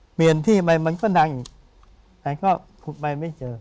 เปลี่ยนที่ไปมันก็ดังอีกแต่ก็ขุดไปไม่เจอ